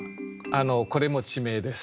これも地名です。